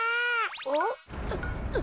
おっ？